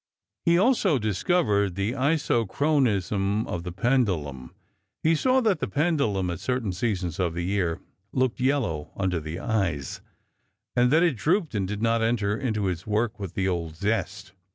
He also discovered the isochronism of the pendulum. He saw that the pendulum at certain seasons of the year looked yellow under the eyes, and that it drooped and did not enter into its work with the old zest.